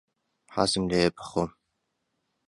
حەزم لێیە بخۆم.